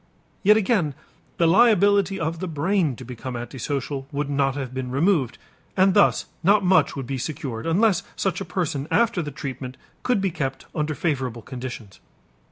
Yet again the liability of the brain to become antisocial would not have been removed, and thus not much would be secured unless such a person after the treatment could be kept under favorable conditions.